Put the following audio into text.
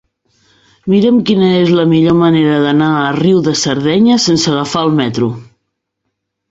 Mira'm quina és la millor manera d'anar a Riu de Cerdanya sense agafar el metro.